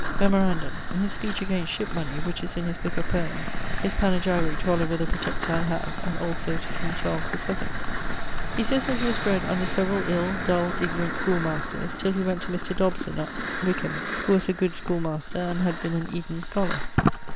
Memorandum: his Speech against Ship money which is in his booke of Poems: his Panegyrique to Oliver the Protector I have: and also to King Charles II. He sayes that he was bred under severall ill, dull, ignorant schoolmasters, till he went to Mr. Dobson, at ... Wickham, who was a good schoolmaster, and had been an Eaton scholar.